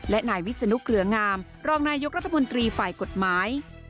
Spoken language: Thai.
และนายวิศนุเกลืองามรองนายกรัฐมนตรีฝ่ายกฎหมาย